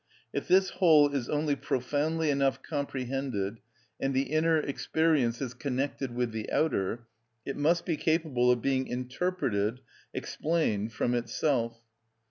If this whole is only profoundly enough comprehended, and the inner experience is connected with the outer, it must be capable of being interpreted, explained from itself.